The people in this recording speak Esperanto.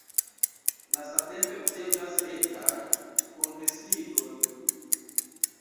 Lastatempe uzeblas retaj kongreslibroj.